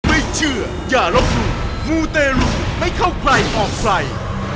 ไม่เชื่ออย่าลบหลู่มูเตรุไม่เข้าใครออกใคร